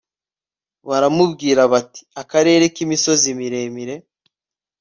baramubwira bati akarere k imisozi miremire